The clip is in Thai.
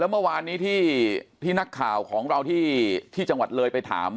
เมื่อวานนี้ที่นักข่าวของเราที่จังหวัดเลยไปถาม